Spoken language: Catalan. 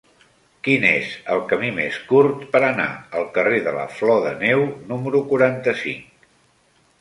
Quin és el camí més curt per anar al carrer de la Flor de Neu número quaranta-cinc?